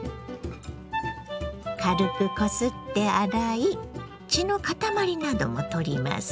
軽くこすって洗い血の塊なども取ります。